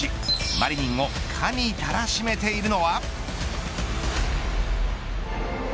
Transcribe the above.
マリニンを神たらしめているのは。